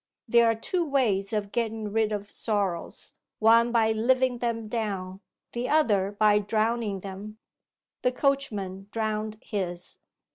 There are two ways of getting rid of sorrows: one by living them down, the other by drowning them. The coachman drowned his.